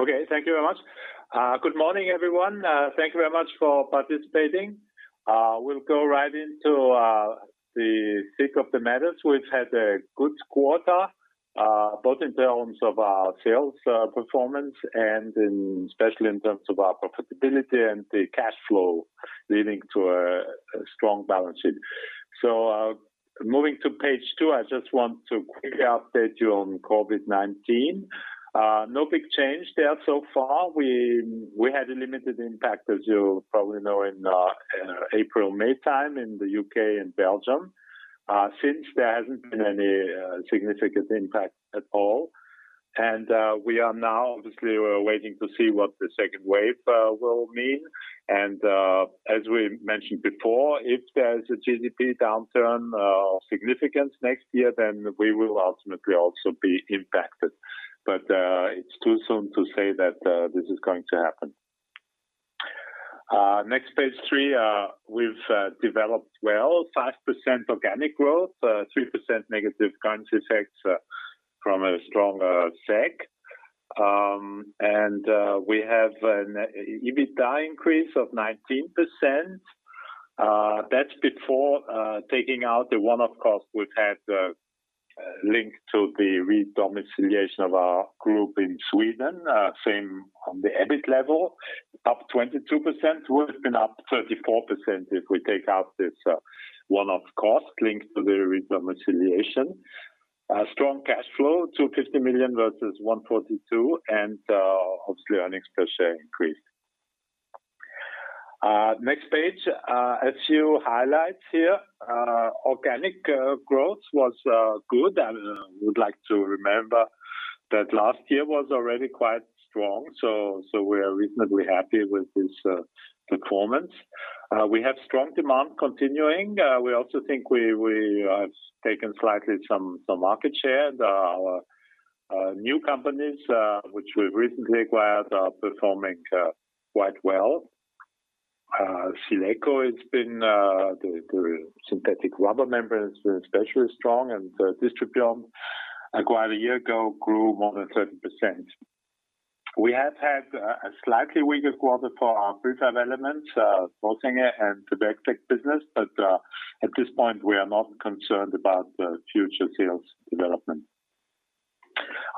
Okay. Thank you very much. Good morning, everyone. Thank you very much for participating. We'll go right into the thick of the matters. We've had a good quarter, both in terms of our sales performance and especially in terms of our profitability and the cash flow leading to a strong balance sheet. Moving to page two, I just want to quickly update you on COVID-19. No big change there so far. We had a limited impact, as you probably know, in April, May time in the U.K. and Belgium. Since, there hasn't been any significant impact at all. We are now, obviously, we're waiting to see what the second wave will mean. As we mentioned before, if there's a GDP downturn of significance next year, then we will ultimately also be impacted. It's too soon to say that this is going to happen. Next, page three. We've developed well, 5% organic growth, 3% negative currency effects from a stronger Swedish Krona. We have an EBITDA increase of 19%. That's before taking out the one-off cost we've had linked to the re-domiciliation of our group in Sweden. Same on the EBIT level, up 22%, would have been up 34% if we take out this one-off cost linked to the re-domiciliation. A strong cash flow, 250 million versus 142, and obviously earnings per share increased. Next page. A few highlights here. Organic growth was good. I would like to remember that last year was already quite strong, so we are reasonably happy with this performance. We have strong demand continuing. We also think we have taken slightly some market share. Our new companies, which we've recently acquired, are performing quite well. SealEco has been, the synthetic rubber membrane, has been especially strong, and Distri Pond, acquired a year ago, grew more than 30%. We have had a slightly weaker quarter for our Prefab Element, [inaudible] a hand to Veg Tech business. At this point, we are not concerned about the future sales development.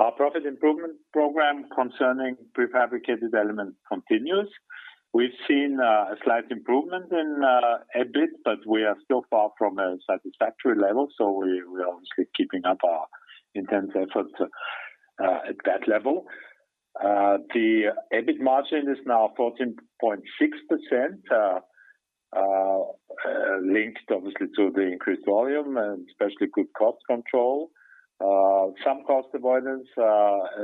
Our profit improvement program concerning Prefabricated Elements continues. We've seen a slight improvement in EBIT, but we are still far from a satisfactory level, so we are obviously keeping up our intense efforts at that level. The EBIT margin is now 14.6%, linked obviously to the increased volume and especially good cost control. Some cost avoidance,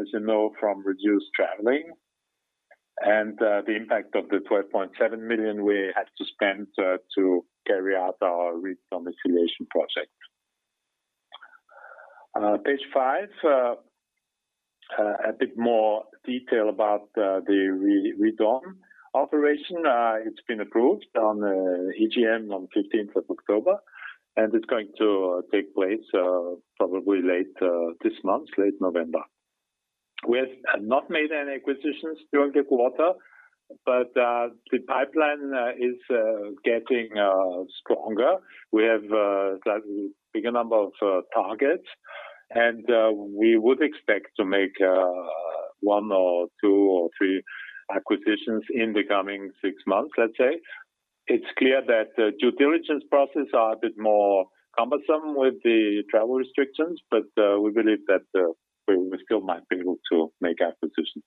as you know, from reduced traveling, and the impact of the 12.7 million we had to spend to carry out our re-domiciliation project. Page five, a bit more detail about the re-dom operation. It's been approved on EGM on the 15th of October, and it's going to take place probably late this month, late November. We have not made any acquisitions during the quarter, but the pipeline is getting stronger. We have a bigger number of targets, and we would expect to make one or two or three acquisitions in the coming six months, let's say. It's clear that the due diligence process are a bit more cumbersome with the travel restrictions, but we believe that we still might be able to make acquisitions.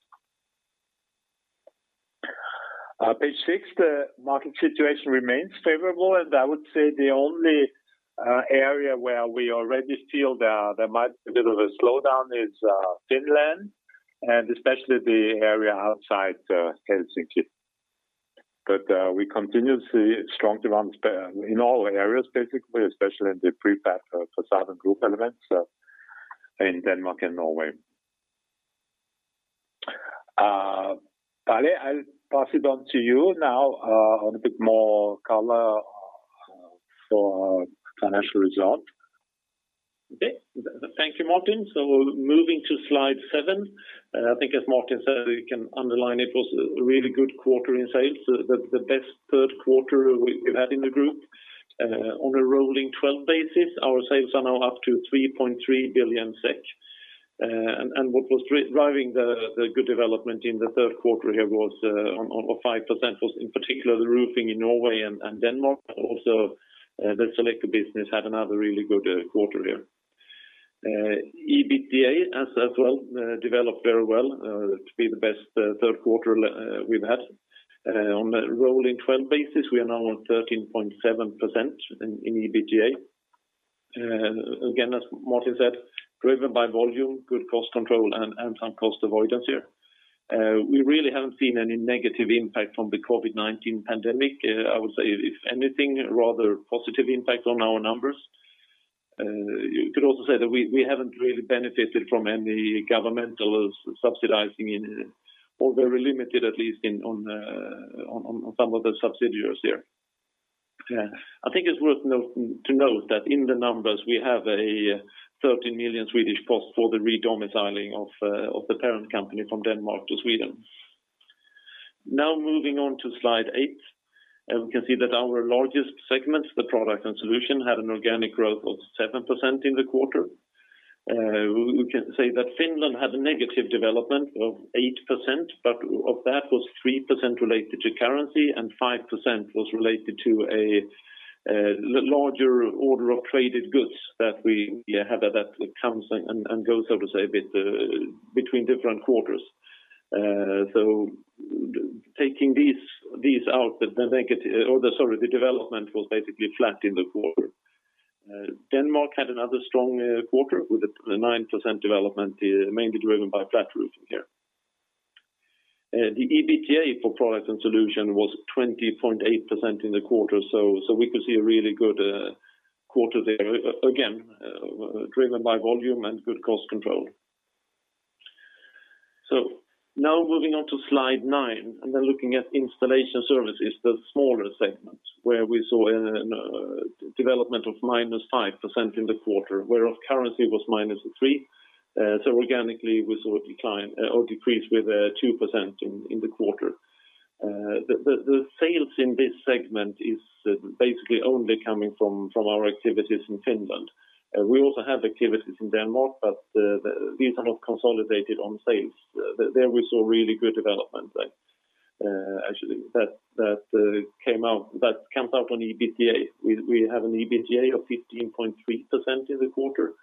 Page six, the market situation remains favorable, and I would say the only area where we already feel there might be a bit of a slowdown is Finland, and especially the area outside Helsinki. We continue to see strong demands in all areas, basically, especially in the Prefab for southern group elements in Denmark and Norway. Palle, I'll pass it on to you now on a bit more color for our financial result. Okay. Thank you, Martin. Moving to slide seven, I think as Martin said, we can underline it was a really good quarter in sales, the best third quarter we've had in the group. On a rolling 12 basis, our sales are now up to 3.3 billion SEK. What was driving the good development in the third quarter here was on 5%, in particular, the roofing in Norway and Denmark. Also, the SealEco business had another really good quarter here. EBITDA, as well, developed very well to be the best third quarter we've had. On the rolling 12 basis, we are now on 13.7% in EBITDA. Again, as Martin said, driven by volume, good cost control, and some cost avoidance here. We really haven't seen any negative impact from the COVID-19 pandemic. I would say, if anything, rather positive impact on our numbers. You could also say that we haven't really benefited from any governmental subsidizing in or very limited, at least on some of the subsidiaries here. Yeah. I think it's worth to note that in the numbers we have a 13 million cost for the redomiciling of the parent company from Denmark to Sweden. Moving on to slide eight, we can see that our largest segments, the product and solution, had an organic growth of 7% in the quarter. We can say that Finland had a negative development of 8%, of that was 3% related to currency and 5% was related to a larger order of traded goods that we have that comes and goes, so to say, between different quarters. Taking these out, the development was basically flat in the quarter. Denmark had another strong quarter with a 9% development, mainly driven by flat roofing here. The EBITDA for products and solution was 20.8% in the quarter, so we could see a really good quarter there, again, driven by volume and good cost control. Now moving on to slide nine, and then looking at installation services, the smaller segment, where we saw a development of minus 5% in the quarter, whereof currency was minus three. Organically, we saw a decline or decrease with 2% in the quarter. The sales in this segment is basically only coming from our activities in Finland. We also have activities in Denmark, but these are not consolidated on sales. There we saw really good development there, actually, that comes out on EBITDA. We have an EBITDA of 15.3% in the quarter,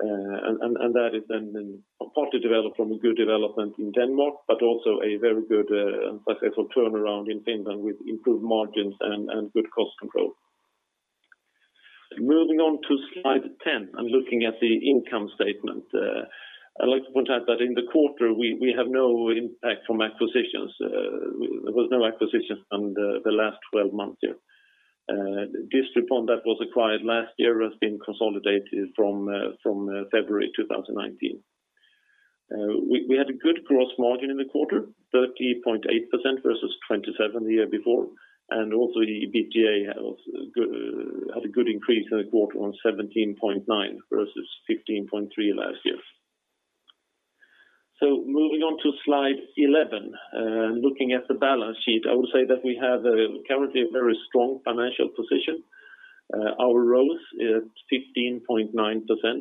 and that is then partly developed from a good development in Denmark, but also a very good, successful turnaround in Finland with improved margins and good cost control. Moving on to slide 10 and looking at the income statement. I'd like to point out that in the quarter, we have no impact from acquisitions. There was no acquisitions from the last 12 months here. Distri Pond that was acquired last year has been consolidated from February 2019. We had a good gross margin in the quarter, 30.8% versus 27% the year before, and also the EBITDA had a good increase in the quarter on 17.9% versus 15.3% last year. Moving on to slide 11, looking at the balance sheet, I would say that we have currently a very strong financial position. Our ROCE is 15.9%,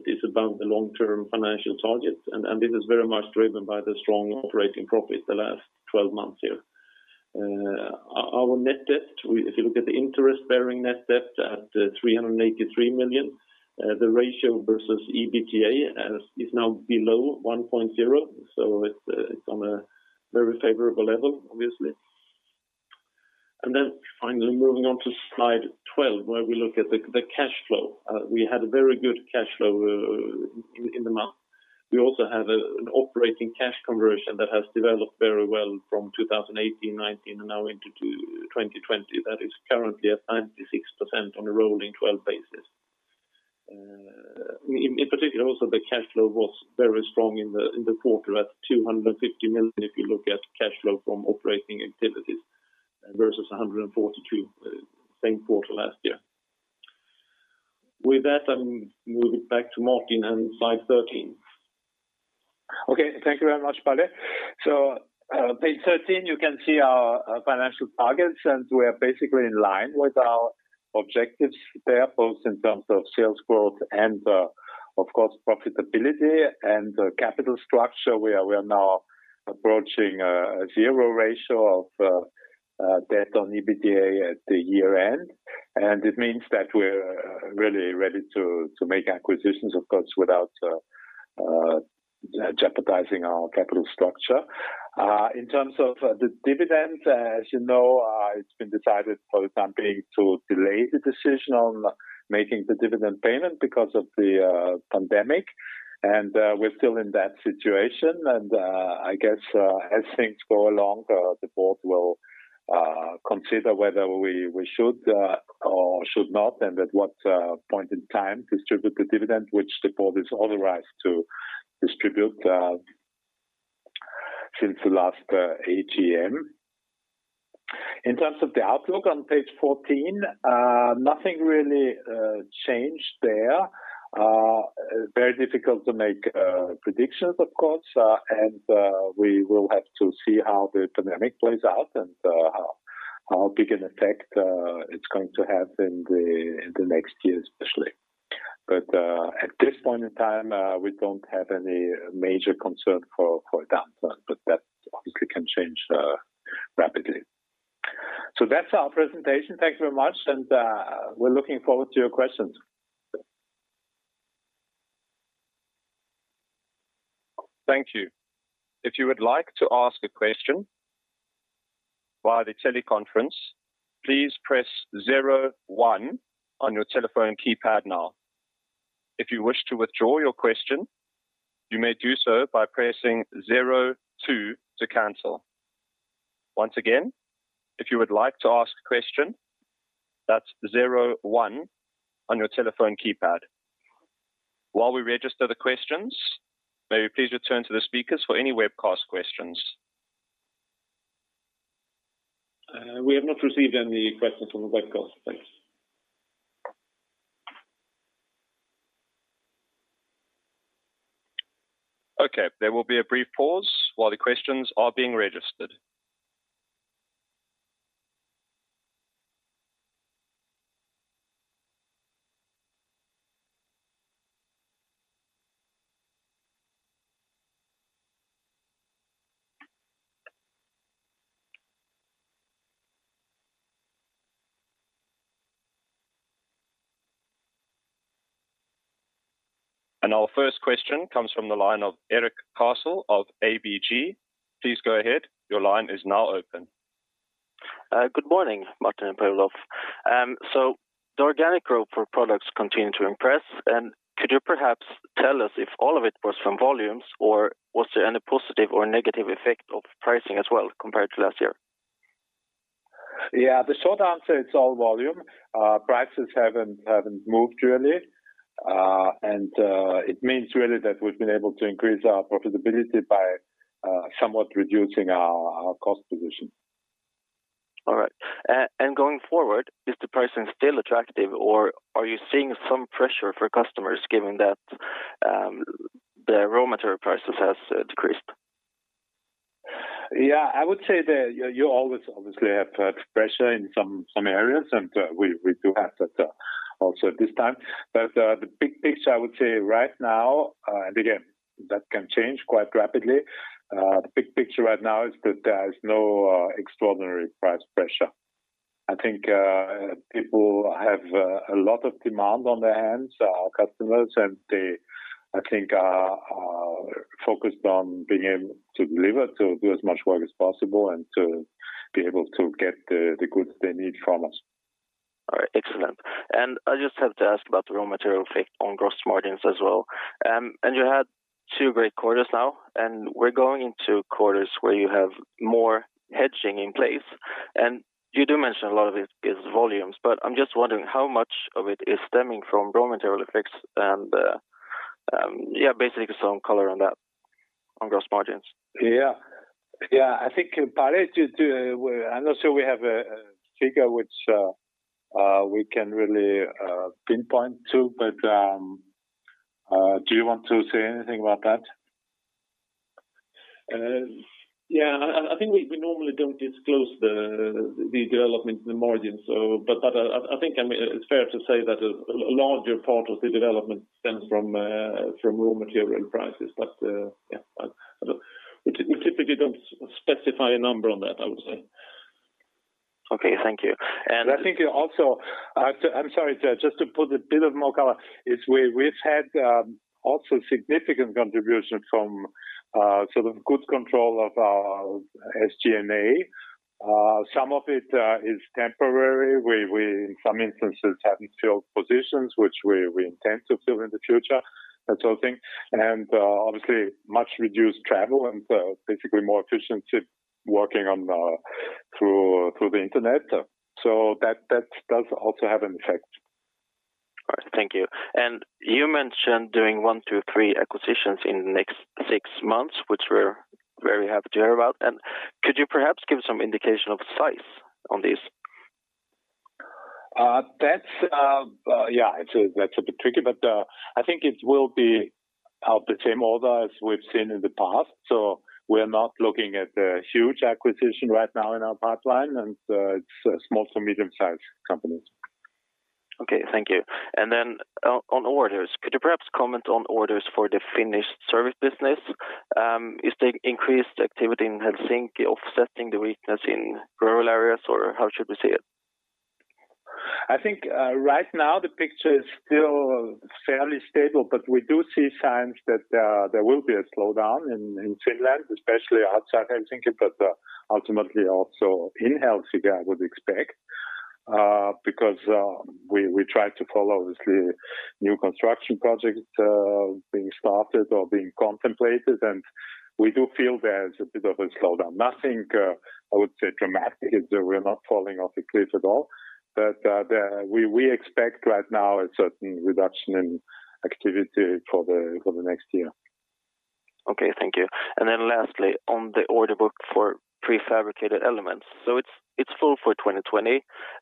it's above the long-term financial target, and this is very much driven by the strong operating profit the last 12 months here. Our net debt, if you look at the interest-bearing net debt at 383 million, the ratio versus EBITDA is now below 1.0. It's on a very favorable level, obviously. Finally, moving on to slide 12, where we look at the cash flow. We had a very good cash flow in the month. We also have an operating cash conversion that has developed very well from 2018, 2019, and now into 2020. That is currently at 96% on a rolling 12 basis. In particular, also the cash flow was very strong in the quarter at 250 million, if you look at cash flow from operating activities versus 142, same quarter last year. With that, I'm moving back to Martin on slide 13. Okay, thank you very much, Palle. Page 13, you can see our financial targets, and we are basically in line with our objectives there, both in terms of sales growth and, of course, profitability and capital structure, where we are now approaching a zero ratio of debt on EBITDA at the year-end. It means that we're really ready to make acquisitions, of course, without jeopardizing our capital structure. In terms of the dividend, as you know, it's been decided for the time being to delay the decision on making the dividend payment because of the pandemic, and we're still in that situation. I guess as things go along, the board will consider whether we should or should not, and at what point in time distribute the dividend which the board is authorized to distribute since the last AGM. In terms of the outlook on page 14, nothing really changed there. Very difficult to make predictions, of course, and we will have to see how the pandemic plays out and how big an effect it's going to have in the next year, especially. At this point in time, we don't have any major concern for that one, but that obviously can change rapidly. That's our presentation. Thank you very much, and we're looking forward to your questions. Thank you. If you would like to ask a question via the teleconference, please press zero one on your telephone keypad now. If you wish to withdraw your question, you may do so by pressing zero two to cancel. Once again, if you would like to ask a question, that's zero one on your telephone keypad. While we register the questions, may we please return to the speakers for any webcast questions? We have not received any questions from the webcast. Thanks. Okay. There will be a brief pause while the questions are being registered. Our first question comes from the line of Erik Cassel of ABG. Please go ahead. Your line is now open. Good morning, Martin and Per-Olof. The organic growth for products continue to impress. Could you perhaps tell us if all of it was from volumes, or was there any positive or negative effect of pricing as well compared to last year? Yeah. The short answer, it's all volume. Prices haven't moved really. It means really that we've been able to increase our profitability by somewhat reducing our cost position. All right. Going forward, is the pricing still attractive, or are you seeing some pressure for customers given that the raw material prices has decreased? Yeah. I would say that you always obviously have pressure in some areas, and we do have that also at this time. The big picture I would say right now, and again, that can change quite rapidly. The big picture right now is that there is no extraordinary price pressure. I think people have a lot of demand on their hands, our customers, and they, I think, are focused on being able to deliver, to do as much work as possible, and to be able to get the goods they need from us. All right. Excellent. I just have to ask about the raw material effect on gross margins as well. You had two great quarters now, and we're going into quarters where you have more hedging in place. You do mention a lot of it is volumes, but I'm just wondering how much of it is stemming from raw material effects and, yeah, basically some color on that, on gross margins. Yeah. I think, Palle, I'm not sure we have a figure which we can really pinpoint to, but do you want to say anything about that? Yeah. I think we normally don't disclose the development in the margin. I think it's fair to say that a larger part of the development stems from raw material prices. Yeah, we typically don't specify a number on that, I would say. Okay. Thank you. I think also I'm sorry. Just to put a bit of more color, is we've had also significant contribution from sort of good control of our SG&A. Some of it is temporary. We, in some instances, haven't filled positions, which we intend to fill in the future, that sort of thing. Obviously, much reduced travel and basically more efficient working through the internet. That does also have an effect. All right. Thank you. You mentioned doing one to three acquisitions in the next six months, which we're very happy to hear about. Could you perhaps give some indication of size on these? Yeah. That's a bit tricky, but I think it will be of the same order as we've seen in the past. We're not looking at a huge acquisition right now in our pipeline, and it's small to medium-sized companies. Okay. Thank you. On orders, could you perhaps comment on orders for the finished service business? Is the increased activity in Helsinki offsetting the weakness in rural areas, or how should we see it? I think right now the picture is still fairly stable, but we do see signs that there will be a slowdown in Finland, especially outside Helsinki, but ultimately also in Helsinki, I would expect, because we try to follow, obviously, new construction projects being started or being contemplated, and we do feel there is a bit of a slowdown. Nothing, I would say, dramatic is we're not falling off a cliff at all. We expect right now a certain reduction in activity for the next year. Okay. Thank you. Lastly, on the order book for Prefabricated Elements. It's full for 2020,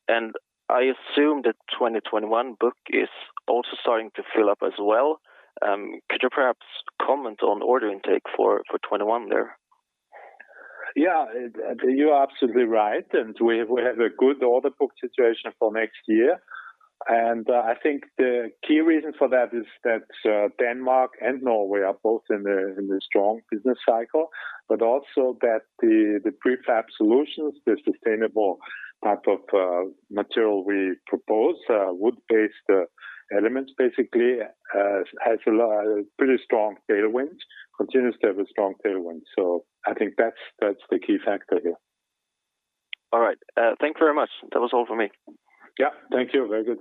and I assume the 2021 book is also starting to fill up as well. Could you perhaps comment on order intake for 2021 there? Yeah. You are absolutely right. We have a good order book situation for next year. I think the key reason for that is that Denmark and Norway are both in a strong business cycle, but also that the Prefab solutions, the sustainable type of material we propose, wood-based elements basically, has a pretty strong tailwind, continues to have a strong tailwind. I think that's the key factor here. All right. Thank you very much. That was all for me. Yeah. Thank you. Very good.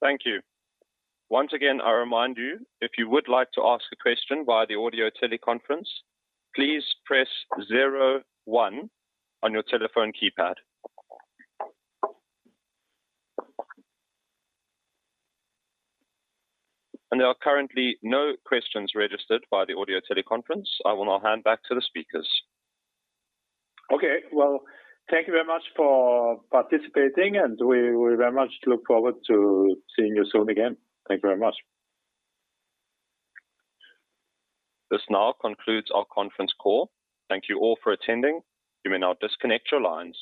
Thank you. Once again, I remind you, if you would like to ask a question via the audio teleconference, please press 01 on your telephone keypad. There are currently no questions registered via the audio teleconference. I will now hand back to the speakers. Okay. Well, thank you very much for participating, and we very much look forward to seeing you soon again. Thank you very much. This now concludes our conference call. Thank you all for attending. You may now disconnect your lines.